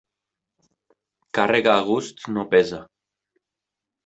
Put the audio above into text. Càrrega a gust no pesa.